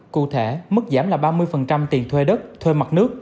cụ thể mức giảm là ba mươi tiền thuê đất thuê mặt nước